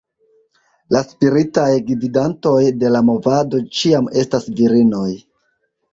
La "spiritaj gvidantoj" de la movado ĉiam estas virinoj.